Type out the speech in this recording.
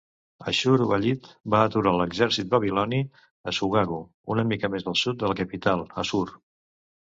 Ashur-uballit va aturar l'exercit babiloni a Sugagu, una mica al sud de la capital Assur.